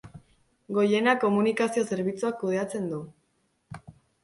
Goiena Komunikazio Zerbitzuak kudeatzen du.